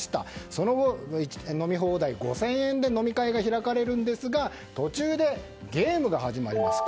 その後、飲み放題５０００円で飲み会が開かれるんですが途中でゲームが始まります。